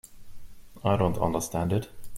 I don't understand it.